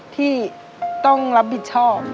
ที่ต้องรับผิดชอบ